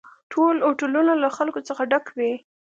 ټول هوټلونه له خلکو څخه ډک وي